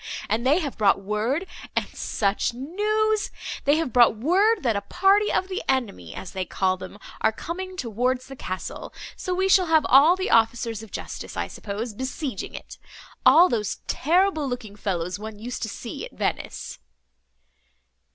And they have brought word—and such news! they have brought word, that a party of the enemy, as they call them, are coming towards the castle; so we shall have all the officers of justice, I suppose, besieging it! all those terrible looking fellows one used to see at Venice."